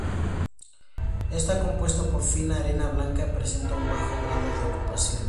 Está compuesta por fina arena blanca y presenta un bajo grado de ocupación.